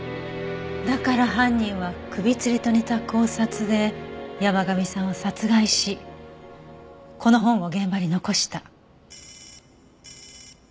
だから犯人は首つりと似た絞殺で山神さんを殺害しこの本を現場に残した。